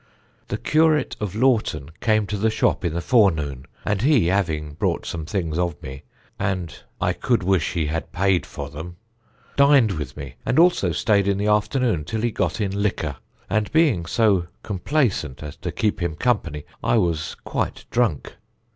"The curate of Laughton came to the shop in the forenoon, and he having bought some things of me (and I could wish he had paid for them) dined with me, and also staid in the afternoon till he got in liquor, and being so complaisant as to keep him company, I was quite drunk.